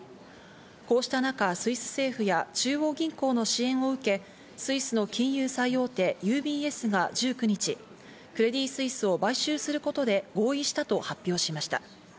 こうした中、スイス政府や中央銀行の支援を受け、スイスの金融最大手ＵＢＳが１９日、クレディ・スイスを買収することで合意したと発表しました。